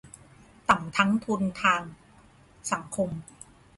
ต่ำทั้งทุนทางสังคม